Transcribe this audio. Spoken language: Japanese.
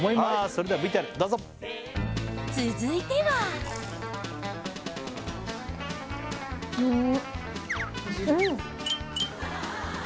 それではＶＴＲどうぞ続いてはうん！